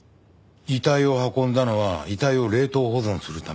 遺体を運んだのは遺体を冷凍保存するため？